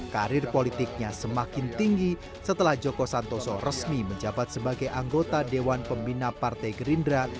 karir politiknya semakin tinggi setelah joko santoso resmi menjabat sebagai anggota dewan pembina partai gerindra